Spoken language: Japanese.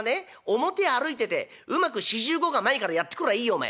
表歩いててうまく４５が前からやって来りゃいいよお前。